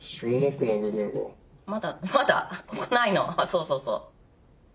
そうそうそう。